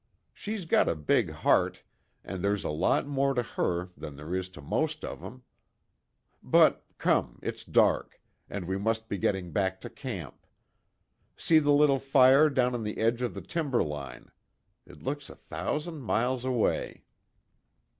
She's got a big heart, and there's a lot more to her than there is to most of 'em. But, come, it's dark, and we must be getting back to camp. See the little fire down on the edge of the timber line. It looks a thousand miles away."